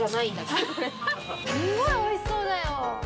すごいおいしそうだよ！